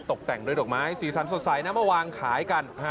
ตกแต่งด้วยดอกไม้สีสันสดใสนะมาวางขายกัน